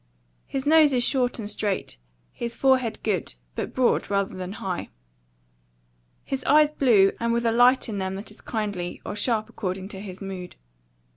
His nose is short and straight; his forehead good, but broad rather than high; his eyes blue, and with a light in them that is kindly or sharp according to his mood.